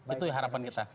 itu harapan kita